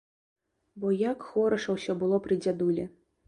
Бо як хораша ўсё было пры дзядулі!